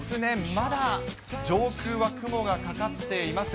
まだ上空は雲がかかっています。